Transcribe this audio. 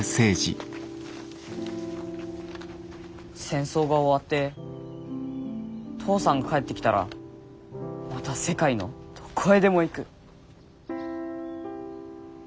戦争が終わって父さんが帰ってきたらまた世界のどこへでも行く。